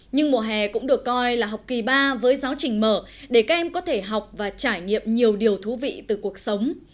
nhưng mùa hè cũng được coi là học kỳ ba với giáo trình mở để các em có thể học và trải nghiệm nhiều điều thú vị từ cuộc sống